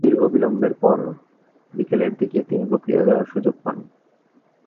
দীর্ঘ বিলম্বের পর বিকেলের দিকে তিনি বক্তৃতা দেওয়ার সুযোগ পান।